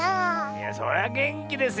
いやそりゃげんきですよ。